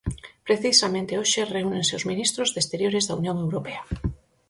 Precisamente hoxe reúnense os ministros de Exteriores da Unión Europea.